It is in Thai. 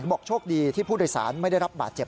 บอกโชคดีที่ผู้โดยสารไม่ได้รับบาดเจ็บ